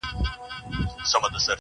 ښکلی یې قد و قامت وو ډېر بې حده حسندار-